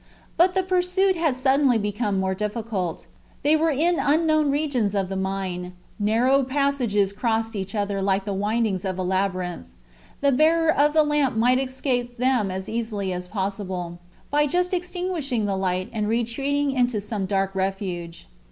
But the pursuit had suddenly become more difficult. They were in unknown regions of the mine; narrow passages crossed each other like the windings of a labyrinth. The bearer of the lamp might escape them as easily as possible, by just extinguishing the light and retreating into some dark refuge.